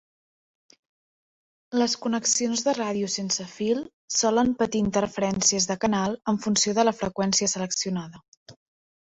Les connexions de ràdio sense fil solen patir interferències de canal en funció de la freqüència seleccionada.